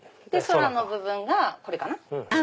空の部分がこれかな。